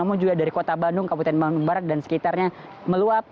namun juga dari kota bandung kabupaten bandung barat dan sekitarnya meluap